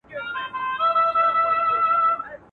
دا د باروتو د اورونو کیسې.